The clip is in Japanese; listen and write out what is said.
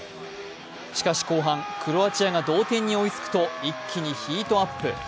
しかし後半、クロアチアが同点に追いつくと、一気にヒートアップ。